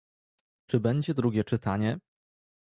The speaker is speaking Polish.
Czy będzie drugie czytanie?